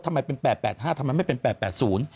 ทำไมเป็น๘๘๕ทำไมไม่เป็น๘๘๐